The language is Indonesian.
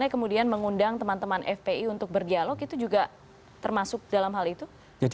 kemudian mengundang teman teman fpi untuk berdialog itu juga termasuk dalam hal itu